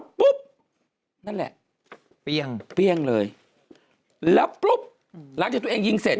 ปุ๊บนั่นแหละเปรี้ยงเปรี้ยงเลยแล้วปุ๊บหลังจากตัวเองยิงเสร็จ